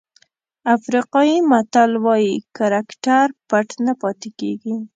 افریقایي متل وایي کرکټر پټ نه پاتې کېږي.